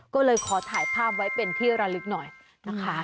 ก็เลยขอถ่ายภาพไว้เป็นที่ระลึกหน่อยนะคะ